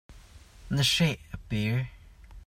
Na hreh a pir.